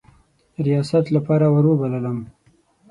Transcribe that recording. ریاست لپاره وروبللم.